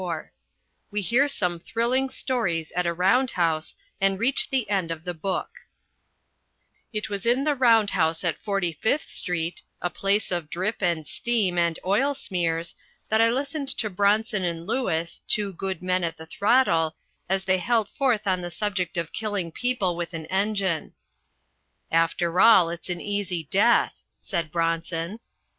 IV WE HEAR SOME THRILLING STORIES AT A ROUNDHOUSE AND REACH THE END OF THE BOOK IT was in the round house at Forty fifth Street, a place of drip and steam and oil smears, that I listened to Bronson and Lewis, two good men at the throttle, as they held forth on the subject of killing people with an engine. "After all, it's an easy death," said Bronson.